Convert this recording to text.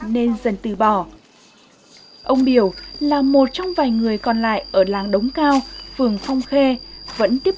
nên dần từ bỏ ông biểu là một trong vài người còn lại ở làng đống cao phường phong khê vẫn tiếp